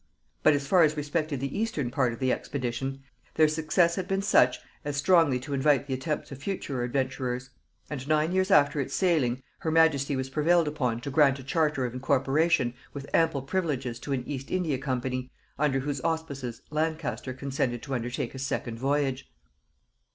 But as far as respected the eastern part of the expedition, their success had been such as strongly to invite the attempts of future adventurers; and nine years after its sailing, her majesty was prevailed upon to grant a charter of incorporation with ample privileges to an East India company, under whose auspices Lancaster consented to undertake a second voyage.